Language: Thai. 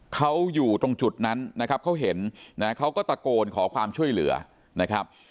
เขาอยู่ตรงจุดนั้นนะครับเขาเห็นนะเขาก็ตะโกนขอความช่วยเหลือนะครับ